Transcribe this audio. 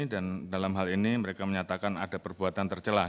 dan dalam hal ini mereka menyatakan ada perbuatan terjelas